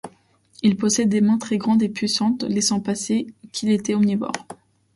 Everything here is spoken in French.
Il possède des mains très grandes et puissantes laissant penser qu'il était omnivore.